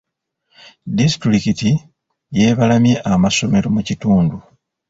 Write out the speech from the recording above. Disitulikiti yeebalamye amasomero mu kitundu.